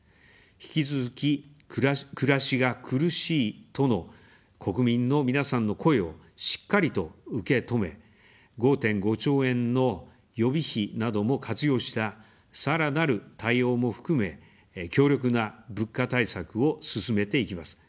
引き続き、暮らしが苦しいとの国民の皆さんの声をしっかりと受け止め、５．５兆円の予備費なども活用した、さらなる対応も含め、強力な物価対策を進めていきます。